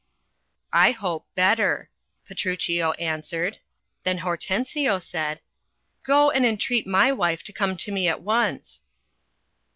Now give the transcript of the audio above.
"I hope, better," Petruchio answered. Then Hortensio said — "Go and entreat my wife to come to me at once."